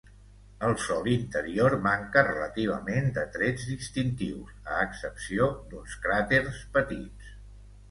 El sòl interior manca relativament de trets distintius, a excepció d'uns cràters petits.